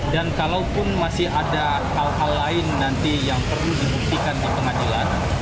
dan kalaupun masih ada hal hal lain nanti yang perlu dibuktikan ke pengadilan